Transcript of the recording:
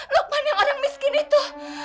lukman yang orang miskin itu